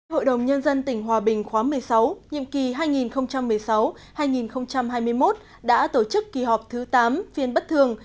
hội đồng nhân dân tỉnh hòa bình khóa một mươi sáu nhiệm kỳ hai nghìn một mươi sáu hai nghìn hai mươi một đã tổ chức kỳ họp thứ tám phiên bất thường